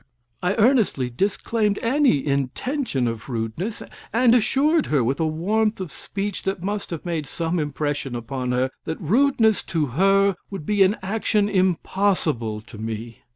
I earnestly disclaimed any intention of rudeness, and assured her, with a warmth of speech that must have made some impression upon her, that rudeness to her would be an action impossible to me.